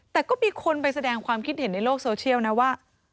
แต่ก็มีคนไปแสดงความคิดเห็นในโลกโซเชียลนะว่า